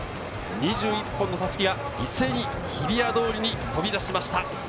２１本の襷が一斉に日比谷通りに飛び出しました。